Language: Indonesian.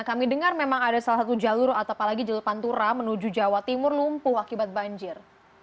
kami dengar memang ada salah satu jalur atau apalagi jalur pantura menuju jawa timur lumpuh akibat banjir